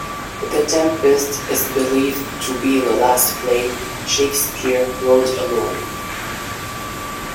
"The Tempest" is believed to be the last play Shakespeare wrote alone.